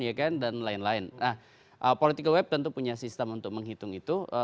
ya kan dan lain lain nah political web tentu punya sistem untuk menghitung itu